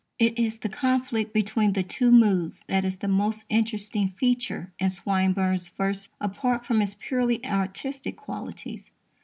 It is the conflict between the two moods that is the most interesting feature in Swinburne's verse, apart from its purely artistic qualities.